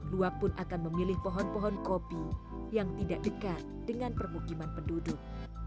luap pun akan memilih pohon pohon kopi yang tidak dekat dengan permukiman penduduk